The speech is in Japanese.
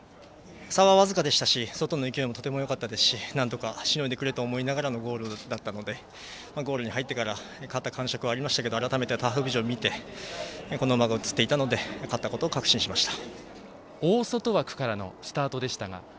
差は僅かでしたしなんとかしのいでくれと思いながらのゴールだったのでゴールに入ってから勝った感触はありましたけど改めてターフビジョンを見てこの馬が映っていたので勝ったことを確信しました。